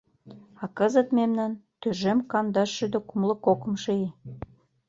— А кызыт мемнан тӱжем кандашшӱдӧ кумло кокымшо ий.